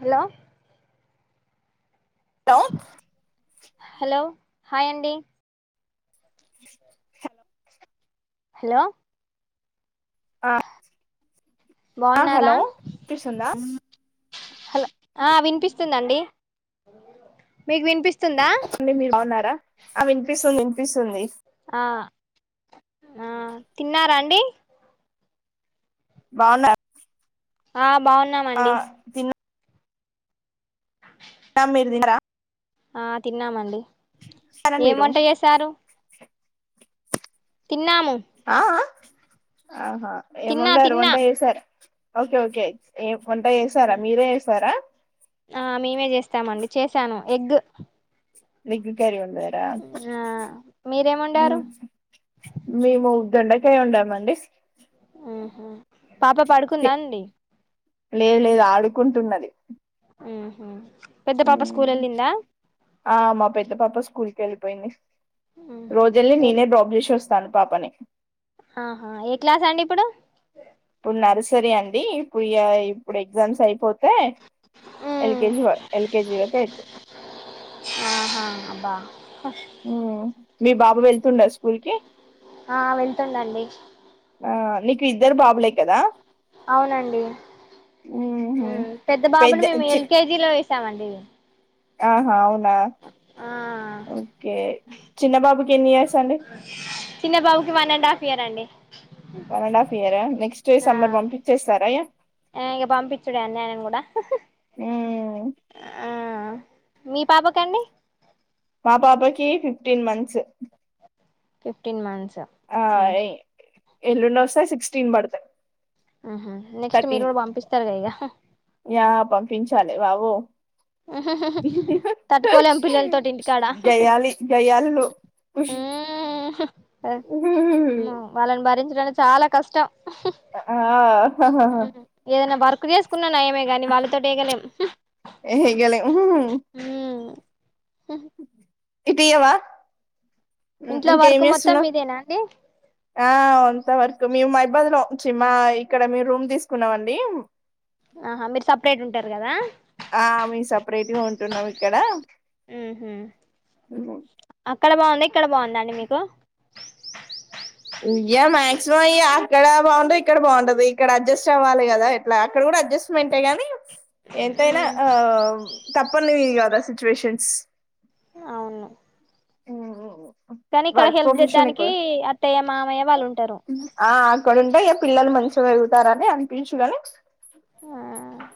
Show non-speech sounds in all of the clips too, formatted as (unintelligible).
Hello లో hello hi అండి hello hello ఆ బావున్నారా హలో వినిపిస్తుందా హ ఆ వినిపిస్తుందండి బ మీకు వినిపిస్తుందా అండి మీరు బాగున్నారా ఆ వినిపిస్తుంది వినిపిస్తుంది ఆ ఆ తిన్నారా అండి బావున్నా ఆ బావున్నామండి నం మీరు దినరా ఆ తిన్నామండి తిన్నారా ఏమ్ మీరు వంట చేసారు తిన్నాము. ఆ ఆ ఆహా తిన్నా ఏంవండారు, తిన్నా వంట చేసారు. ఓకే ఓకే ఏం వంట చేసారా? మీరే చేసారా? ఆ మేమే చేస్తామండి. చేసాను. ఎగ్ ఎగ్ కర్రీ వం డారా ఆ హ్ మీరేమండారు మేము దొండకాయ వండామండి. ఆహా పాప పడుకుందా అండి. లేదు లేదు ఆడుకుంటున్నది. ఆహా హుహ్ ఆ మా పెద్ద పాప స్కూల్ కెళ్పోయింది. ఉహు రోజెల్లీ ఏ నేనే డ్రాప్ చేశి వస్ తను పాపని ఆహా ఏ క్లాస్ అండి ఇప్పుడు. ఇప్పుడు నర్సరీ అండి ఇప్పుడు ఇగా ఇప్పుడు ఎగ్జామ్స్ అయిపో తె ఉ ఎల్కెజీ వా ఎల్కెజీ వరకు ఎళ్తది. ఆహా అబ్బా హ్ మీ బాబు వెళ్తుండా స్కూ కూల్కి ఆ వెలుతుండండి. ఆ నీకు ఇద్దరు బాబులే కదా. అవునండి ఉహు. హ్ పెద్ద బాబును మేము ఎల్కేజీలో వేస్ స్తామండి. ఆహా అవును. ఆ ఓకే చిన్నబాబుకి ఎన్ని ఇయర్స్. అండి. చిన్నబాబుకి వనండ్ హాఫ్ ఇయర్ అండి. వన్ అండ్ హాఫ్ ఇయరా నెక్స్ట్ ఆ సమ్మర్ పంపించేస్తారా ఇగా ఆ ఇగ పంపించుడే అండి ఆయనను కూడా హ్మ్. హ్ ఆ మీ పాప కండి. మా పాపాకి ఫిప్టీన్ మంత్స్. ఫిఫ్టీన్ మంత్స్ ఆ హ్మ్మ్ ఎ- ఎల్లుండి వస్తాయి సిక్స్టీన్ పడతాయి ఆహ నెక్స్ట్ మీరు థర్టీన్ కూడా పంపిస్తారు ఇక యా పంపించాలి బాబో తట్టుకోలేము పిల్లల తోటి ఇంటికాడా గయ్యాళి గయ్యాళులు వాళ్ళని భరించ చాలా కష్టం ఆ ఏదైనా వర్క్ చేసుకున్నా న ఏమే కాగాని వాళ్ళతో వేయగలేం తేగలేము హ ఇటీయవ ఇంట్లో ఇంకేం వర్క్ మొత్తం చేస్తున్నావు మీదేనా అండి ఆ అంత వరకు మేము మైబాద్ లోచ్చి మా ఇక్కడ మేము రూమ్ తీసుకున్నామండి ఆహా మీరు సపరేట్ ఉంటారు కదా ఆ మే సపరేట్ గా ఉంటున్నాం ఇక్కడ ఉహు అక్కడ బాగుంద ఇక్కడ బాగుందండి మీకు ఉయ్యా మాక్సిమం అయ అక్కడ బాగుంటే ఇక్కడ బాగుంటది ఇక్కడ అడ్జస్ట్ అవ్వాలి కదా ఎట్లా అక్కడ కూడా అడ్జస్ట్మెంటే కానీ ఎంతైనా తప్పనిది కదా సిచ్యువేషన్స్ అవును హ్మ్ కానీ ఇక్కడ హెల్ప్ చేద్దడానికి అత్తయ్యమ మామమ్య వాళ్ళు ఉంటారు ఇక్కడ ఉంటే ఇక పిల్లలు మంచిగా పెరుగుతారని అనిపియచు గానీ ఆ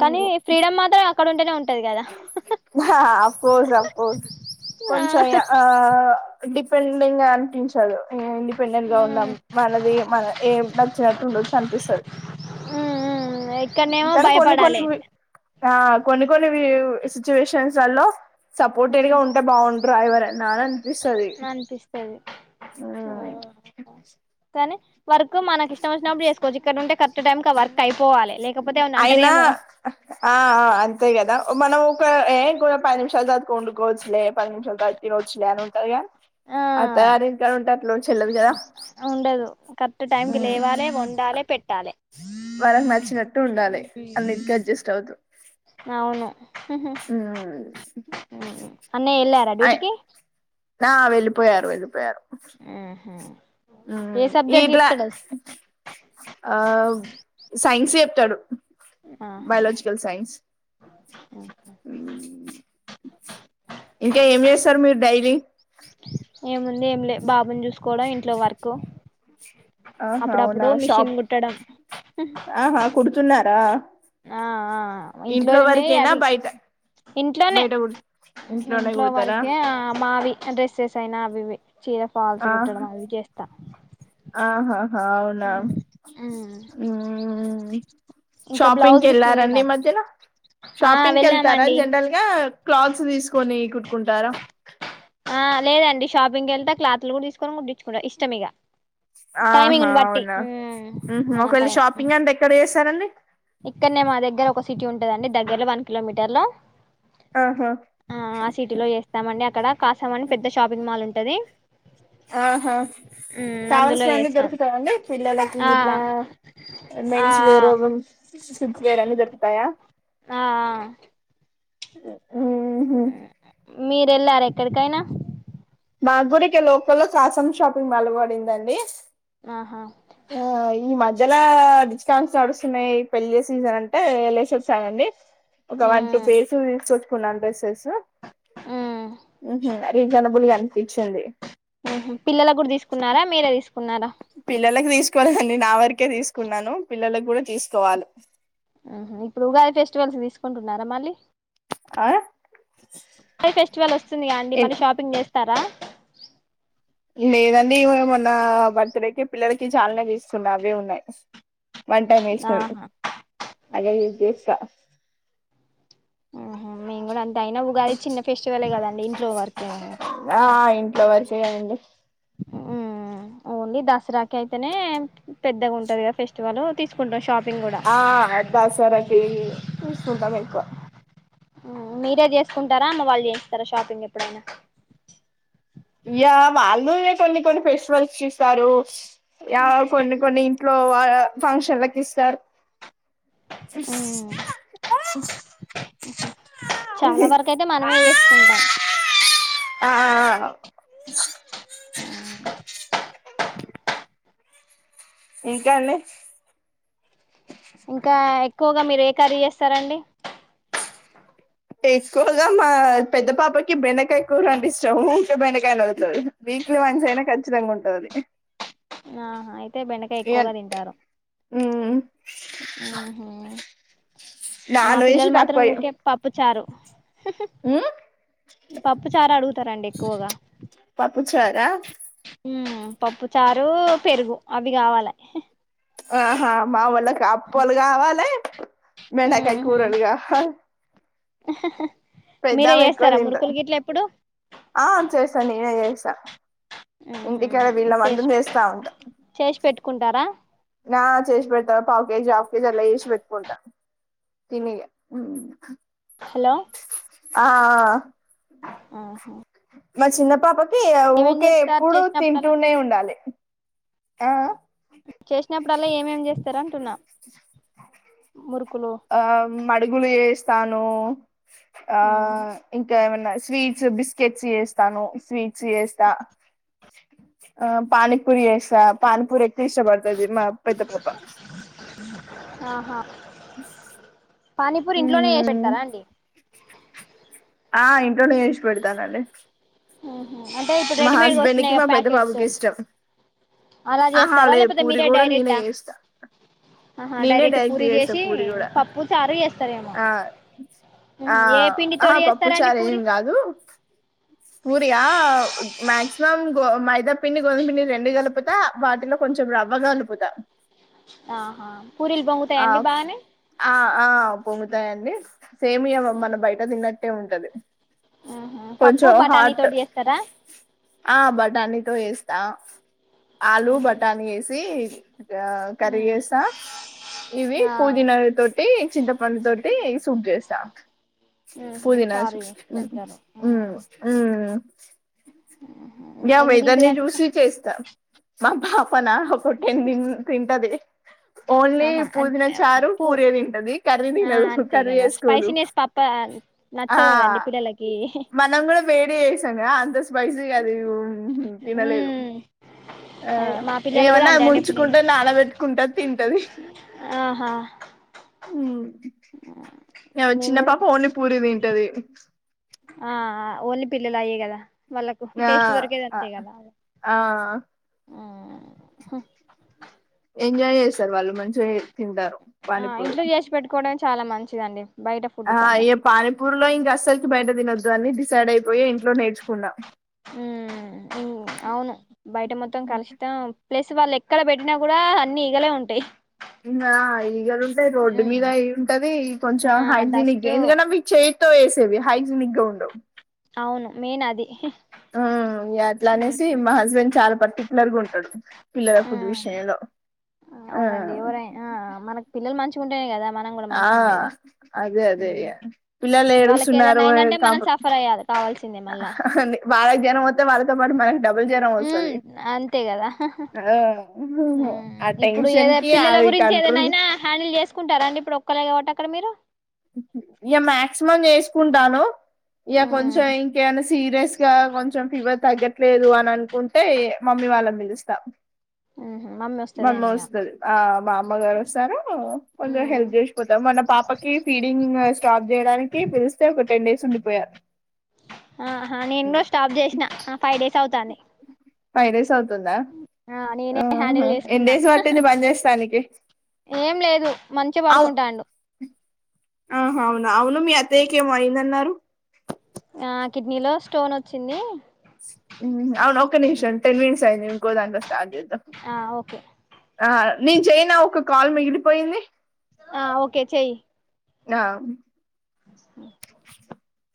కానీ ఫ్రీడమ్ మాత్రం అక్కడుంటేనే ఆ అపోస్ అపోస్ ఆ కొంచం ఆ డిపెండెంట్ గా అనిపించదు ఇండిపెండెంట్ గా ఉండం మనది మన ఎం నచ్చినట్టు ఉండోచ్చు అనిపిస్తాది మ్మ్ మ్మ్ ఇక్కడనేమో కొన్ని కొన్ని భయపడాలి ఆ కొన్ని కొన్ని కొన్ని సిచ్యుషన్ వాళ్ళో సపోర్టెడ్ గా ఉంటే బాగుండ్ర ఎవరైనా అని అనిపిస్తాది అనిపిస్తది కానీ వర్క్ మనకి ఇష్టం వచ్చినపుడు చేసుకోవచ్చు ఇక్కడుంటే కరెక్ట్ టైమ్ కి ఆ వర్క్ అయి అయినా ఆ అంతే కదా మనం ఒక ఏం పది నిమిషాల తర్వాత వండుకోవచ్చులే పది నిమిషాల్ తర్వాత తినోచ్చులే అని ఉంటాది కానీ ఆ చెల్లదు కదా ఉండదు కరెక్ట్ టైంకిి లేవాలే వండాలే పెట్టాలే వాళ్ళకి నచ్చినట్టు ఉండాలి అన్నిటికి అడ్జస్ట్ అవుతు అవును అన్నయ్య ఎళ్ళారా అయ్ డ్యూటీకి ఆ వెళ్ళిపోయారు వెళ్ళిపోయారు హ ఉ ఇట్లా ఆ సైన్స్ చెప్తాడు ఆహా బయాలజికల్ సైన్స్ హ్మ్ ఇంకా ఏం చేస్తారు మీరు డైలి ఏముంది ఏమి లే బాబుని చూసుకోవడం ఇంట్లో వర్కు ఆహా అవునా షాప్ ఆహా ఆహా కుడుతున్నారా ఆ ఆ ఇంట్లో ఉన్నాయి వరకేనా అవి బయట ఇంట్లోనే బయట కు ఇంట్లోనే ఇంట్లో కుడతారా వరకే ఆ మావి డ్రెస్సెస్ అయినా అవివి చీర ఫాల్స్ ఆ కుట్టడం అవి చేస్తా ఆహాహా అవునా హ్మ్ ఇంకా షాపింగ్ బ్లౌజ్ గిట్ల ఏది కెళ్ళారండి రాదు ఈమధ్యన ఆ షాపింగ్ కి కెళ్తారా వెళ్ళామండి జనరల్గా క్లాత్స్ తీసుకొని కుట్టుకుంటారా ఆ లేదండి షాపింగ్కి వెళ్తే క్లాత్లు కూడా తీసుకొని కుట్టించుకుంటా ఇష్టం ఇక ఆహా అవునా హు మన ఒకవేళ టైం షాపింగ్ అంతా ఎక్కడ చేస్తారండి ఇక్కడనే మా దగ్గర ఒక సిటీ ఉంటుందండి దగ్గరలో వన్ కిలోమీటర్లో ఆహా ఆ ఆ సిటీలో వేస్తామండి అక్కడ కాసామని పెద్ద షాపింగ్ మాల్ ఉంటు అది ఆహా అందులో కావాల్సినవన్నీ చేస్తాం దొరుకుతదండి పిల్లలకి ఆ ఇట్లా ఆ మెన్స్ వేరు వేరన్ని దొరుకుతాయా ఆహ ఓ ఆహా మీర వెళ్లారు ఎక్కడికైనా మా గురి ఇక లోకల్లో కాసం షాపింగ్ మాల్ పడిందండి ఆహా ఆ ఈ మధ మద్దలా రిజకాన్స్ నడుస్తున్నాయి పెళ్లి సీజన్ అంటే ఎససాగండి ఒక వన్ టూ మ్మ్ పేస్ తీసుకొచ్చ ఫునా ప్రసేస్ మ్మ్ ఏ జాం అని ఇచ్చండి పిల్లలకు కూడా తీసుకున్నారా మీరే తీసుకున్నారా పిల్లలకి తీసుకోవాలండి నా వరకే తీసుకున్నాను పిల్లలకి కూడా తీసుకోవాలి ఆ ఇప్పుడు ఉగాది ఫెస్టివల్స్ తీసుకుంటున్నారా మళ్ళీ ఆ ఫెస్టివల్ వస్తుందిగా అండి మళ్ళీ షాపింగ్ చేస్తున్నారా లేదండి మొన్న బర్త్డే కి పిల్లలకి చాలానే తీసుకున్న అవే ఉన్నాయి వన్ టైమ్ వేసారు ఆహా అదో చూస్త ఆహ మేము గుడా అంత అయినా ఉగాది చిన్న ఫెస్టివల్ గదా నేన్ ఆ ఆ ఇంట్లో వర్క్ చేయాలండి హ్మ్మ్ ఓన్లీ దసరాకి అయితేనే పెద్దగా ఉంటది కదా ఫెస్టివల్ తీసుకుంటాం షాప్ ఆ ఆ దసరకి తీస్తుంటాం ఎక్కువ మీరే చేసుకుంటారా అమ్మ వాళ్ళు చేస్తారా షాపింగ్ ఎప్పుడన్న యా వాళ్ళు ఇగ కొన్ని కొన్ని ఫెస్టివల్స్ ఇస్తారు యా కొన్ని కొన్ని ఇంట్లో వా ఫంక్షన్లలకు ఇస్తారు. హ్మ్మ్ చాలా వరకు అయితే మనమే చేసుకుంటాం. ఆ ఆ ఆ ఇంకా అండి ఇంకా ఎక్కువగా మీరు ఏ కర్రీ చేస్తారండి ఎక్కువగా మా పెద్ద పాపకి బెండకాయ కూరంటే ఇష్టం ఊకె బెండకాయ అని అడుగుతది వీక్లీ వన్స్ అయినా ఖచ్చితంగా ఉంటది. ఆహా అయితే బెండకాయ ఇగ ఎక్కువగా తింటారు మ్మ్ హ్మ్మ్ మా నాన్ వెజ్ పిల్లలు మాత్రం తక్కువ ఊకే పప్పు చారు మ్మ్ పప్పు చారు అడుగుతారండి ఎక్కువగా పప్పు చారా ఉమ్మ్ పప్పుచార్ డూ పెరుగు అవ్వి గావాలె ఆహా మావోల్లక్ కప్పలు గావాలే బెండకాయ్ ఉహు కూరల్గావాల్ (unintelligible) (inaudible) మీరే పెద్దామే ఎక్కువ చేస్తారా తింటద్. మురుకులు గిట్ల ఎప్పుడు ఆ చేస్తా నే నేనే చేస్తా ఉహు ఇంటికాడ వీళ్ళ మందం చేస్తా ఉంటా. కుంటారా ఆ చేశి పెడ్తా పావ్ కేజి, ఆఫ్ కేజి అట్ల చేశి పెట్కుంటా. తినిగా ఊ హలో ఆ ఆ ఆహా మా చిన్న పాప కీ ఏమేం ఊకే చేస్తారు ఎప్పుడు చేసినప్పుడల్లా తింటూనే ఉండాలి ఆఅ చేసినప్పుడల్లా ఏమేం చేస్తార అంటున్నా ముర్ ఆ మడుగులు ఏస్ తాను ఆ ఇంకా ఏమన్ స్వీట్స్ బిస్కెట్స్ చేస్తాను స్వీట్ చేస్తా ఆ పనీపూరి ఎసా, పనిపూరి ఎక్కు ఇష్ట పడుతది మా పెద్ద పాప. ఆహా పానీపూరి ఇంట్లోనే ఏశ్ మ్మ్ పెడతారా అండి ఆ ఇంట్లోనే ఏశ్పెడతానండి ఉ అంటే ఇప్పుడు రెడీమేడ్గా వస్తున్నాయా మా పెద్ద ప్యాకెట్స్ బాబుకి ఇష్టం అలా ఆహా చేస్తారా లే లేకపోతే పూరి మీరే కూడా నేనే డైరెక్టా ఏస్తా. ఆహా నేనే డైరెక్ట్ డైక్ట్ పూరి చేస్తా చేసి పూరి గూడా. పప్పు చారు చేస్తారేమో ఆ ఆ ఉహు ఏ అహా పిండితోటి చేస్తారండి పప్పుచారు ఏం పూరి గాదు. పూరియా మాక్సిమం గో మైదాపిండి, గోధుంపిండి రెండు కలుపుతా, వాటిలో కొంచెం రవ్వ కలుపుతా. ఆహా పూరీలు పొంగుతాయా ఆ అండి బాగనే ఆ ఆ పొంగుతాయండి సేమ్ ఇగ మా మన బయట తిన్నట్టే ఉంటది. ఆహా ప చో హాట్ ఆ బటా నీతో ఏస్తా ఆలూ మ్మ్ బటాని ఏసీ టా కర్ ఏస్తా, ఇవి ఆ పుదీనా తోటి, చింతపండు తోటి, సూప్ జేస్. తాక్ మ్మ్ పుదినా సు చారు చేసి పెడతారు ఉ ఊ ఆ గ్య ఎన్ని వెదర్ ని తింటదండి జూసి చేస్తా మా భా ఫనా ఒక టెన్ దిన్ తింటాది ఆహా అే పూ పూరే తింటది కర్రీ ఆ తినదు అంతే కర్రీ కదా చేసుకోదు స్పైసీినెస్ పప్ప ఆ నచ్చదు కదండి పిల్లలకి మనం కూడా వేడి చేసాం అంత స్పైసి అది ఉహు తినలేదు మ్మ్ ఆ అదే మా పిల్లలు కూడా ఏమన్నా అంతే ఆమె అండి ఇప్పుడు ముంచుకుంటే నానబెట్టుకుంటే తింటది ఆహా ఉమ్ మేము చిన్న కూడా పాప ఓన్లీ పూరి తింటది ఆ ఆ ఓన్లీ పిల్లలుయిే కదా వాళ్ళకు ఆ టేస్ట్ దొరికేది ఆఆ ఆ ఎంజాయ్ చేస్తారు వాళ్ళు మంచిగా తింటారు ఆ పానీపూరి ఇంట్లో చేసి పెట్టుకోవడానికి చాలా మంచిదండి బయట ఫుడ్ కన్నా ఏ ఇగ పనిపూర్ లో అస్సలకి బయట తినొద్దు అని డిసైడ్ అయిపోయయి ఇంట్లో నేర్చుకున్నా ఉ ఉ అవును బయట మొత్తం కలిసితం ప్లస్ వాళ్ళు ఎక్కడ పెట్టినా కూడా అన్ని ఈగలే ఉంటాయి ఆ ఈగ లు ఉంటాయి రోడ్డు మీద అయి ఉంటది కొంచెం ఆ హైజీనిక్ డస్ట్ ఎందుకంటే మీకు చే వేసేవి హైజినిక్ గా ఉండవు అవును మెయిన్ అది ఆ అట్లా అనేసి మా హస్బెండ్ చాలా పర్టిక్యులర్గా ఉంటాడు పిల్లల ఫుడ్ ఉమ్, విషయంలో ఆ ఉంటే కదా మనం కూడా ఆ మంచిగా ఉండేది అదే అదే ఉమ్. ఇగ పిల్లలు వాళ్ళకి ఏడుసున్నారు ఏదన్నా అయిందంటే మనం కాపడు సఫర్ అయ్యాలి కావాల్సిందే ఆ మళ్ళా వాళ్ళకి జరం వాతే వాళ్ళతో పాటు మనకి డబుల్ జ్వరం ఉమ్, వస్తుంది అంతే కదా ఉమ్, ఆ ఇప్పుడు టెన్షన్ ఏదో కి అది కంట్రోల్ కుంటారా అండి ఇప్పుడు ఒక్కళ్ళ కాబట్టి అక్కడ మీరు ఇక మాక్సిమం చేసుకుంటాను ఇగ ఉమ్, ఉమ్, కొంచం ఇంక ఎం అన్న సీరియస్ గా కొంచెం ఫీవర్ తగ్గట్లేదు అని అనుకుంటే మమ్మీ వాళ్ళ ని పిలుస్తా ఉమ్, మమ్మీ వస్తదేమిగా ఒస్తది ఆ మా అమ్మ గారు వస్తారు కొంచెం హెల్ప్ చేసి పోత మొన్న పాపా ఫీడింగ్ స్టాప్ చేయడానికి పిలిస్తే టెన్ డేస్ ఉండిపోయారు ఆహా నేను కూడా స్టాప్ చేసినా ఆ ఫైవ్ డేస్ అవుతాంది ఫైవ్ డేస్ అవుతు తుందా ఆ నేనే ఆహా హ్యాండిల్ చేసుకున్నా ఎన్నిడేస్ బట్టింది బంద చేస్తానికి ఏం లేదు మంచిగా హౌ పడుకుంటాండు ఆహా అవున అవును మీ అత్తయ్యకి ఏమో అయిందన్నారు (inaudible) ఆ కిడ్నీలో స్టోన్ వచ్చింది ఉ అవును ఒక్క నిమిషం టెన్ మినిట్స్ అయింది ఇంకో దాంట్లో స్టార్ట్ చేద్దాం ఆ ఓకే ఆ నీను చేయనా ఒక కాల్ కాల్ మిగిలిపోయింది ఆ ఓకే చెయ్యి ఆ (inaudible)